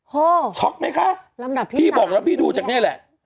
โฮช็อคมั้ยคะลำดับที่๓พี่บอกแล้วพี่ดูจากเนี่ยแหละ